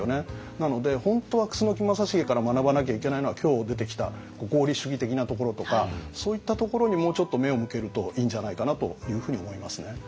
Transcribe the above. なので本当は楠木正成から学ばなきゃいけないのは今日出てきた合理主義的なところとかそういったところにもうちょっと目を向けるといいんじゃないかなというふうに思いますね。